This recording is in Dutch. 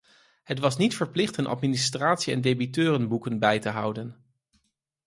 Het was niet verplicht een administratie en debiteurenboeken bij te houden.